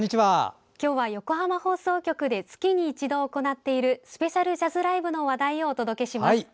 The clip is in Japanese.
今日は横浜放送局で月に一度行っているスペシャルジャズライブの話題をお届けします。